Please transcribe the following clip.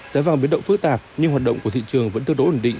giá vàng biến động phức tạp nhưng hoạt động của thị trường vẫn tương đối ổn định